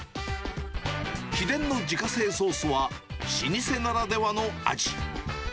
秘伝の自家製ソースは、老舗ならではの味。